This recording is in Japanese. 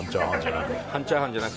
半チャーハンじゃなく？